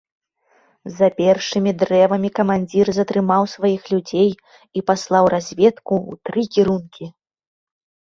За першымі дрэвамі камандзір затрымаў сваіх людзей і паслаў разведку ў тры кірункі.